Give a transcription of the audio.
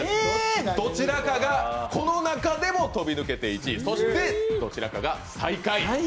どちらかが、この中でも飛び抜けて１位、そしてどちらかが最下位。